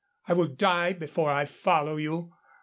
I will die before I follow you.